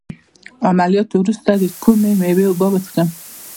د عملیات وروسته د کومې میوې اوبه وڅښم؟